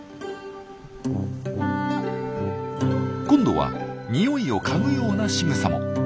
今度はにおいを嗅ぐようなしぐさも。